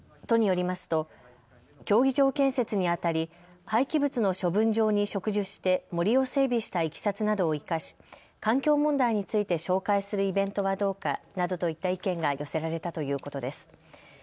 都によりますと競技場建設にあたり廃棄物の処分場に植樹して森を整備したいきさつなどを生かし環境問題について紹介するイベントはどうかなどといった意見が寄せられたということです。